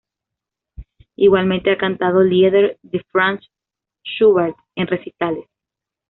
Igualmente ha cantado Lieder de Franz Schubert en recitales.